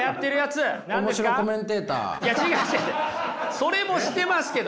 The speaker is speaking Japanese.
それもしてますけど！